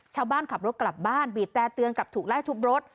ชาวบ้านขับรถกลับบ้านบีบแต่เตือนกลับถูกไล่ทุบรถ